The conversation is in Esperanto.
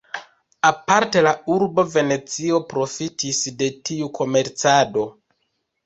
Aparte la urbo Venecio profitis de tiu komercado.